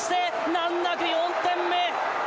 難なく４点目。